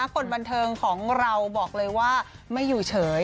คนบันเทิงของเราบอกเลยว่าไม่อยู่เฉย